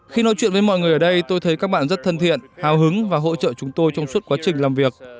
khi nói chuyện với mọi người ở đây tôi thấy các bạn rất thân thiện hào hứng và hỗ trợ chúng tôi trong suốt quá trình làm việc